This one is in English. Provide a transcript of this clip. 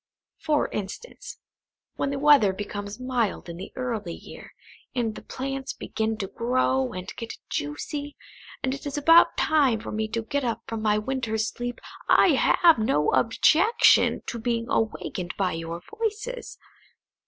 For instance, when the weather becomes mild in the early year, and the plants begin to grow and get juicy, and it is about time for me to get up from my winter's sleep, I have no objection to be awakened by your voices.